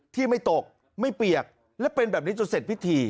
ที่ไม่ตกไม่เปียกและเป็นแบบนี้จนเสร็จพิธี